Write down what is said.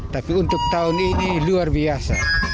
tapi untuk tahun ini luar biasa